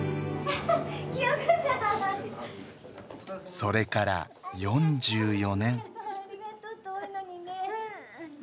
それから４４年。